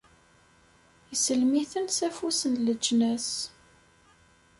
Isellem-iten s afus n leǧnas.